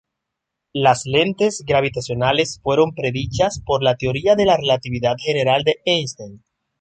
Las lentes gravitacionales fueron predichas por la teoría de la relatividad general de Einstein.